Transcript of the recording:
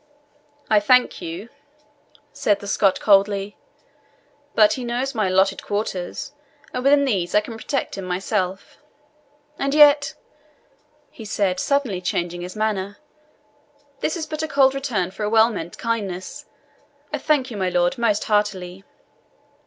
"I thank you," said the Scot coldly; "but he knows my allotted quarters, and within these I can protect him myself. And yet," he said, suddenly changing his manner, "this is but a cold return for a well meant kindness. I thank you, my lord, most heartily.